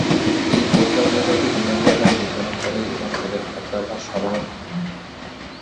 এই কোবরা প্রজাতি দিনের বেলায় বিচরণ করে এবং এদের খাদ্যাভ্যাস সাধারনধর্মী।